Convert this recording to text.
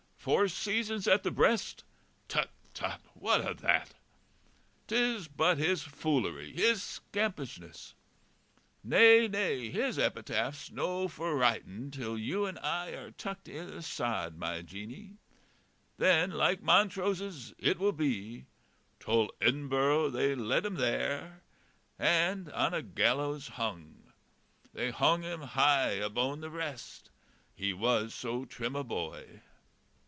Four seasons at the breast? Tut, tut! what o' that? 'Tis but his foolery, his scampishness! Nae, nae! his epitaph's no for writing till you and I are tucked i' the sod, my Jeanie. Then, like Montrose's, it will be 'Tull Edinburrow they led him thair, And on a gallows hong; They hong him high abone the rest, He was so trim a boy.